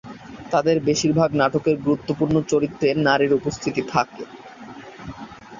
তাদের বেশির ভাগ নাটকের গুরুত্বপূর্ণ চরিত্রে নারীর উপস্থিতি থাকে।